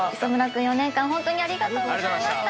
君４年間ホントにありがとうございました。